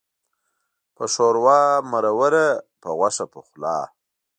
په ښوروا مروره، په غوښه پخلا.